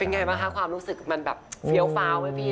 เป็นอย่างไรบ้างค่ะความรู้สึกมันแบบเซียวฟ้าวไหมพี่